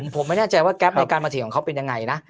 ผมไม่แน่ใจว่าแก๊ปในการมาเถีของเขาเป็นยังไงนะ